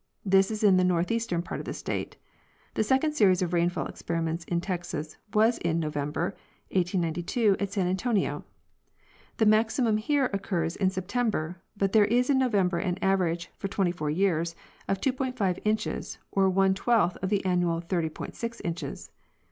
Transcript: This is in the northeastern part of the state. The second series of rainfall experiments in Texas was in November, 1892,at San Antonio. The maximum here occurs in September, but there is in November an average (for 24 years) of 2.5 inches, or one twelfth of the annual 30.6 inches.